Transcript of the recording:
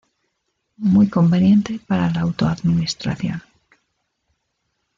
Muy conveniente para la auto administración.